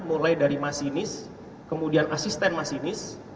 mulai dari mas sinis kemudian asisten mas sinis